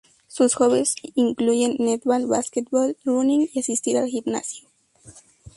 Sus hobbies incluyen netball, basketball, running y asistir al gimnasio.